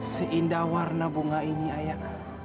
seindah warna bunga ini ayah